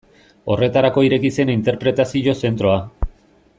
Horretarako ireki zen interpretazio zentroa.